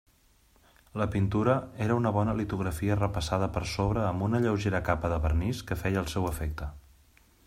La pintura era una bona litografia repassada per sobre amb una lleugera capa de vernís que feia el seu efecte.